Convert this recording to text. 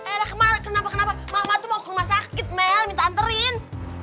eh lah kemana kenapa kenapa mama tuh mau ke rumah sakit mel minta anterin